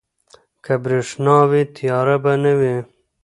که برښنا وي، تیاره به نه وي.